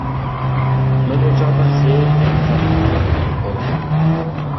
مەن ئۇ چاغدا خىلى ئۇزاپ بولغان بولىمەن.